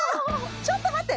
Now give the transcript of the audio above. ちょっと待って！